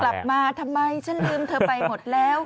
กลับมาทำไมฉันลืมเธอไปหมดแล้ว